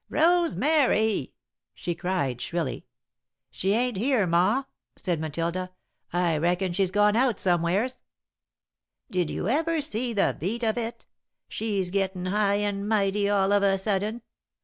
"Rosemary!" she cried, shrilly. "She ain't here, Ma," said Matilda. "I reckon she's gone out somewheres." "Did you ever see the beat of it? She's getting high and mighty all of a sudden.